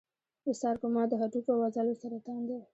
د سارکوما د هډوکو او عضلو سرطان دی.